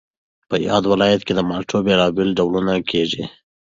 په یاد ولایت کې د مالټو بېلابېل ډولونه کېږي